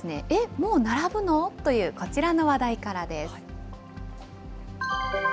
もう並ぶの？というこちらの話題からです。